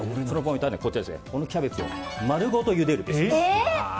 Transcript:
そのポイントはキャベツを丸ごとゆでるべしです。